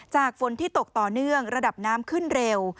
ฝนที่ตกต่อเนื่องระดับน้ำขึ้นเร็ว